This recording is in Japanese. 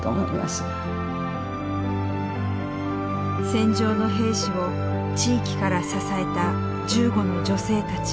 戦場の兵士を地域から支えた銃後の女性たち。